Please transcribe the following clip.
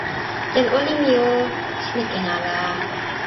jan olin mi o, sina ken ala.